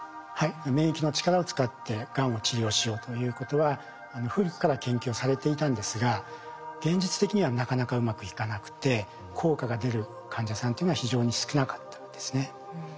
免疫の力を使ってがんを治療しようということは古くから研究されていたんですが現実的にはなかなかうまくいかなくて効果が出る患者さんというのは非常に少なかったんですね。